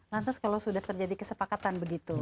lantas kalau sudah terjadi kesepakatan begitu